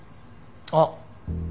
あっ。